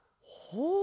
ほう。